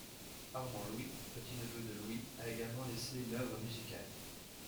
Armand-Louis, petit-neveu de Louis, a également laissé une œuvre musicale.